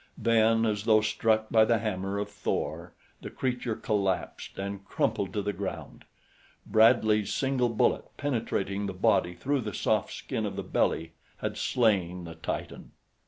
Then, as though struck by the hammer of Thor, the creature collapsed and crumpled to the ground. Bradley's single bullet, penetrating the body through the soft skin of the belly, had slain the Titan.